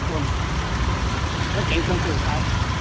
ผมเจ๋งเทังตื่องสู่ไอ้เว้ย